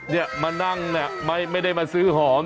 เนี่ยมานั่งเนี่ยไม่ได้มาซื้อหอม